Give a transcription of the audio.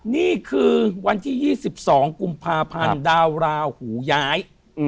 นี่คือวันที่๒๒กุมภาพันธ์ดาวราหูย้าย